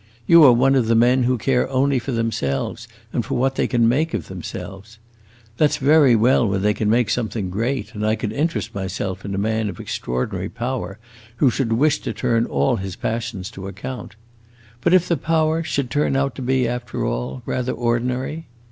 You are one of the men who care only for themselves and for what they can make of themselves. That 's very well when they can make something great, and I could interest myself in a man of extraordinary power who should wish to turn all his passions to account. But if the power should turn out to be, after all, rather ordinary?